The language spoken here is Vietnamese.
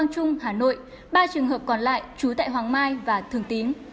trung hà nội ba trường hợp còn lại trú tại hoàng mai và thường tín